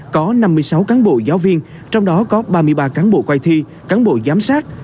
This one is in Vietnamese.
có năm mươi sáu cán bộ giáo viên trong đó có ba mươi ba cán bộ quay thi cán bộ giám sát